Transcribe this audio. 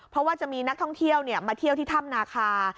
เพราะว่าจะมีนักท่องเที่ยวมาเที่ยวที่ถ้ำนาคา